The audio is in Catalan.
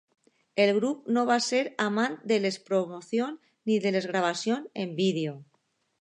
El grup no va ser amant de les promocions ni de les gravacions en vídeo.